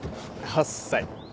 ８歳。